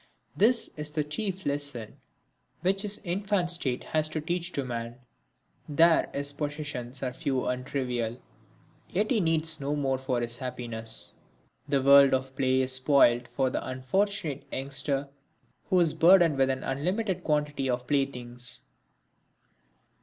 This is the chief lesson which his infant state has to teach to man. There his possessions are few and trivial, yet he needs no more for his happiness. The world of play is spoilt for the unfortunate youngster who is burdened with an unlimited quantity of playthings.